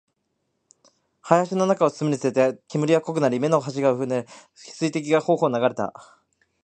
林の中を進むにつれて、煙は濃くなり、目の端が濡れ、水滴が頬を流れた